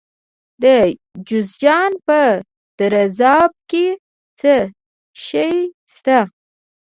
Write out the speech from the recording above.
د جوزجان په درزاب کې څه شی شته؟